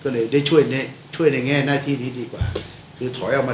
ก็เลยได้ช่วยในแง่นาทีนี่ดีกว่า